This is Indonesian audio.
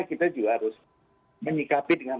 kita juga harus menyikapi dengan